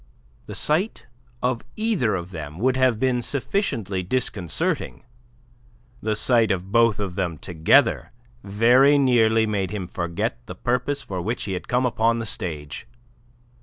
The sight of either of them would have been sufficiently disconcerting. The sight of both together very nearly made him forget the purpose for which he had come upon the stage.